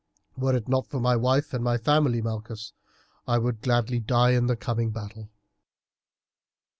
Were it not for my wife and family, Malchus, I would gladly die in the coming battle."